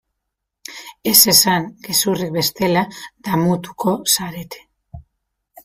Ez esan gezurrik bestela damutuko zarete.